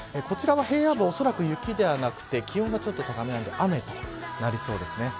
こちらは平野部はおそらく雪ではなくて気温がちょっと高めなので雨となりそうです。